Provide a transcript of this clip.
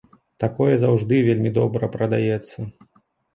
Такое заўжды вельмі добра прадаецца.